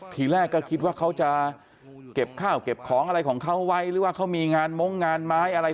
ทีแรกก็คิดว่าเขาจะเก็บข้าวเก็บของอะไรของเขาไว้หรือว่าเขามีงานมงค์งานไม้อะไร